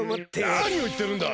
なにをいってるんだ！